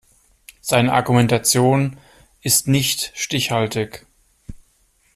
Seine Argumentation ist nicht stichhaltig.